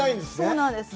そうなんです。